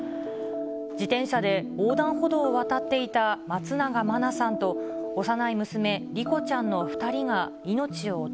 自転車で横断歩道を渡っていた松永真菜さんと幼い娘、莉子ちゃん